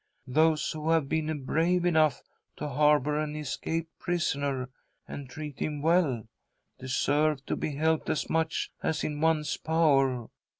Those who have been brave enough to harbour an escaped prisoner, and treat him well, deserve to be helped as much as is in one J s power.